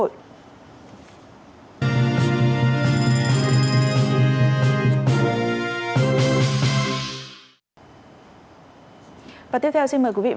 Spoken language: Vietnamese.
và tiếp theo xin mời quý vị và các bạn nhớ đăng ký kênh để nhận thêm video mới nhé